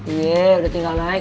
iya udah tinggal naik